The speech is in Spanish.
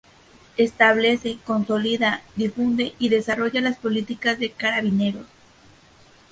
Establece, consolida, difunde y desarrolla las políticas de Carabineros.